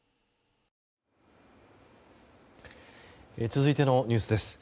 続いてのニュースです。